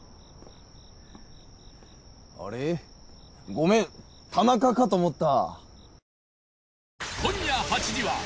ごめん田中かと思った。